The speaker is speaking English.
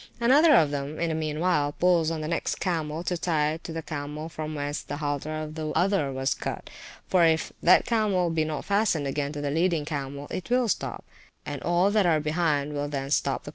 Another of them in the meanwhile, pulls on the next camel to tie it to the camel from whence the halter of the other was cut; for if that camel be not fastened again to the leading camel, it will stop, and all that are behind will then stop of course, which might be the means of discovering the robbers.